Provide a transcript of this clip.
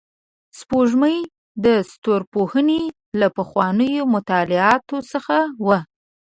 سپوږمۍ د ستورپوهنې له پخوانیو مطالعاتو څخه وه